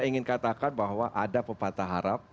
saya ingin katakan bahwa ada pepatah harap